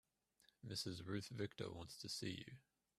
Mrs. Ruth Victor wants to see you.